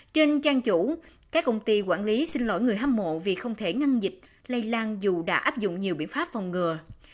trên trang chủ các công ty quản lý xin lỗi người hâm mộ vì không thể ngăn dịch lây lan dù đã áp dụng nhiều biện pháp phòng ngừa